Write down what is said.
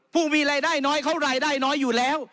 ผู้มีรายได้น้อยเขารายได้น้อยอยู่แล้ว